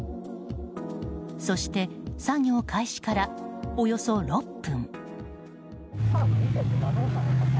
そして作業開始から、およそ６分。